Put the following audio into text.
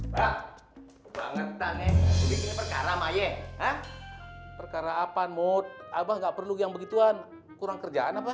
banget aneh perkara perkara apa mood abah nggak perlu yang begitu an kurang kerjaan